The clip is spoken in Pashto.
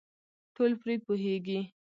ټول پرې پوهېږي .